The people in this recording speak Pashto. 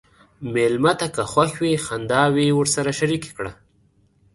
مېلمه ته که خوښ وي، خنداوې ورسره شریکه کړه.